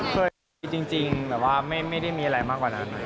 คือจริงไม่ได้มีอะไรมากกว่านั้น